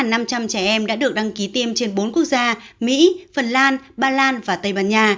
trẻ em đã được đăng ký tiêm trên bốn quốc gia mỹ phần lan ba lan và tây ban nha